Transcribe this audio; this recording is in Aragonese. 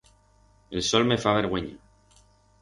El sol me fa vergüenya.